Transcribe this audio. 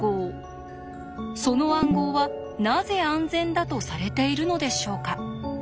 その暗号はなぜ安全だとされているのでしょうか？